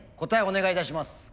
答えお願いいたします。